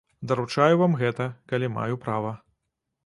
Даручаю вам гэта, калі маю права.